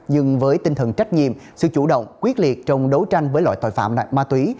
nhưng với tinh thần trách nhiệm sự chủ động quyết liệt trong đấu tranh với loại tội phạm nặng ma túy